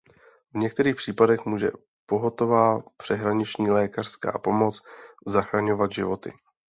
V některých případech může pohotová přeshraniční lékařská pomoc zachraňovat životy.